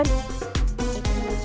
ada sesuatu nih